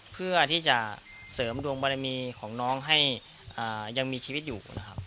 เพื่อที่จะเสริมดวงบารมีของน้องให้ยังมีชีวิตอยู่นะครับ